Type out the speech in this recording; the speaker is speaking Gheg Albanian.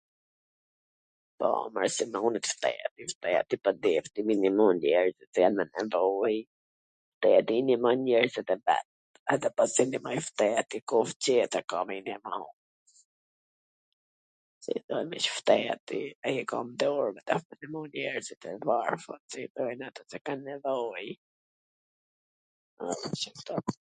Po, mor si munet shteti? Shteti po deshti me i nimu njerzit, ... shteti t i nimoj njerzit e vet, edhe po s i nimoi shteti, kush tjetwr ka me i nimu? Shteti, ai e ka n dor me nimu nejrzit e varfwr, si i thojn ato qw kan nevooj,